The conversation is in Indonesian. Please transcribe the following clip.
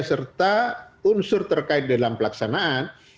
serta unsur terkait dalam pelaksanaan